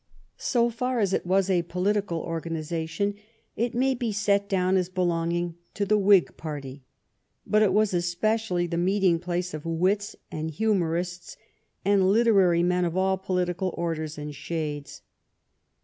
So far as it was a political organization it may be set down as belonging to the Whig party, but it was especially the meeting place of wits and humorists and literary men of all political orders and shades.